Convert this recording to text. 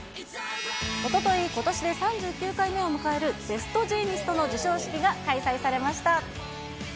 おととい、ことしで３９回目を迎えるベストジーニストの授賞式が開催されました。